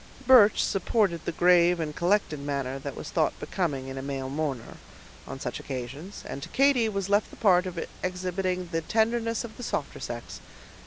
Birch supported the grave and collected manner that was thought becoming in a male mourner, on such occasions, and to Katy was left the part of exhibiting the tenderness of the softer sex.